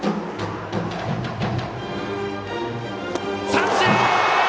三振！